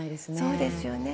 そうですよね。